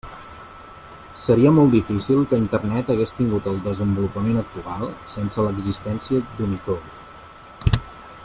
Seria molt difícil que Internet hagués tingut el desenvolupament actual sense l'existència d'Unicode.